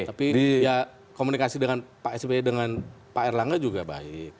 tapi ya komunikasi dengan pak sby dengan pak erlangga juga baik